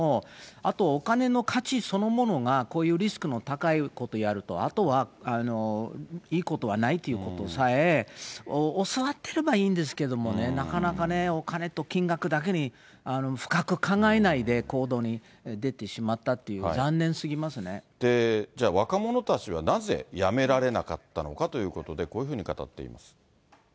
あと、お金の価値そのものがこういうリスクの高いことやると、あとはいいことはないということさえ、教わっていればいいんですけどね、なかなかね、お金と金額だけに、深く考えないで行動に出てしまったっていう、じゃあ、若者たちはなぜやめられなかったのかということで、こういうふうに語っています。